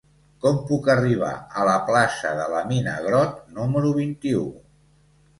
Com puc arribar a la plaça de la Mina Grott número vint-i-u?